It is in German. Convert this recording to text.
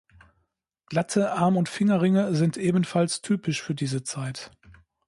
Glatte Arm- und Fingerringe sind ebenfalls typisch für diese Zeit.